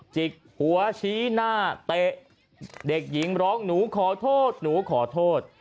จิกหัวชี้หน้าเตะเด็กหญิงร้องหนูขอโทษหนูขอโทษ